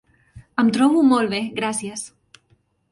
Em trobo molt bé, gràcies.